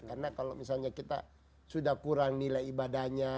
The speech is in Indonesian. karena kalau misalnya kita sudah kurang nilai ibadahnya